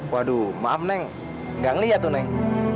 waduh maaf neng gak ngeliat tuh neng